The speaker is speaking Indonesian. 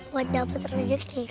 buat dapet rezeki